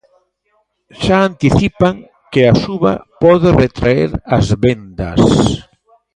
Xa anticipan que a suba pode retraer as vendas.